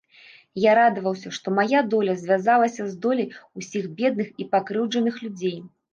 Я радаваўся, што мая доля звязалася з доляй усіх бедных і пакрыўджаных людзей.